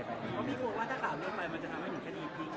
เพราะมีกลัวว่าถ้ากลัวไปมันจะทำให้เหมือนคันอีพิค